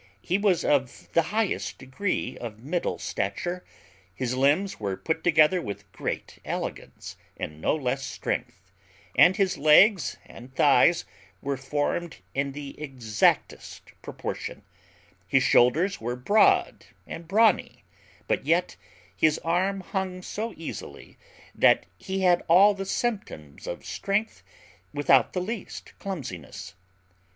He was of the highest degree of middle stature; his limbs were put together with great elegance, and no less strength; his legs and thighs were formed in the exactest proportion; his shoulders were broad and brawny, but yet his arm hung so easily, that he had all the symptoms of strength without the least clumsiness.